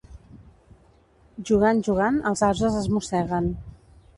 Jugant, jugant, els ases es mosseguen.